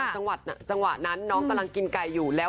จังหวะนั้นน้องกำลังกินไก่อยู่แล้ว